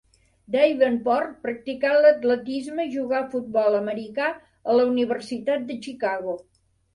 Davenport practicà l'atletisme i jugà a futbol americà a la Universitat de Chicago.